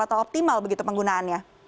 apa optimal begitu penggunaannya